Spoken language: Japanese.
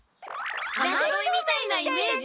あまどいみたいなイメージだ。